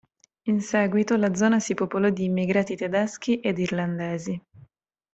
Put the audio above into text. In seguito la zona si popolò di immigrati tedeschi ed irlandesi.